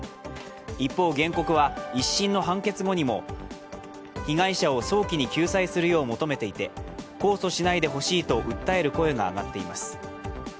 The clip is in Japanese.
一方、原告は一審の判決後にも被害者を早期に救済するよう求めていて控訴しないでほしいと訴える声が上がっています。